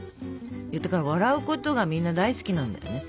笑うことがみんな大好きなんだよね。